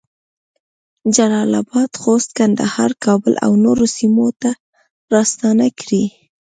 جلال اباد، خوست، کندهار، کابل اونورو سیمو ته راستنه کړې